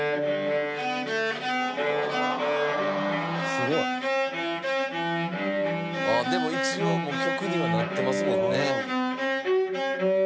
「すごい」「でも一応もう曲にはなってますもんね」